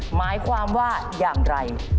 หมายความว่าอย่างไร